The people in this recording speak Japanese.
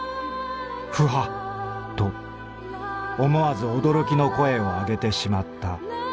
『フハッ』と思わず驚きの声を上げてしまった」。